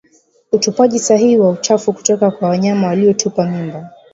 Utupwaji sahihi wa uchafu kutoka kwa wanyama waliotupa mimba